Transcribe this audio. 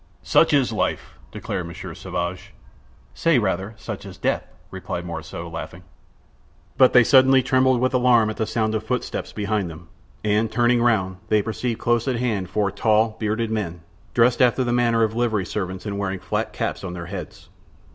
"Such is life!" declared Monsieur Sauvage. "Say, rather, such is death!" replied Morissot, laughing. But they suddenly trembled with alarm at the sound of footsteps behind them, and, turning round, they perceived close at hand four tall, bearded men, dressed after the manner of livery servants and wearing flat caps on their heads.